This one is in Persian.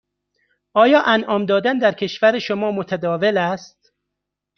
آیا انعام دادن در کشور شما متداول است؟